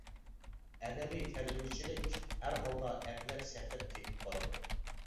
ئەدەبىي تەرجىمىچىلىك ھەرھالدا ئەپلەپ-سەپلەپ كېتىپ بارىدۇ.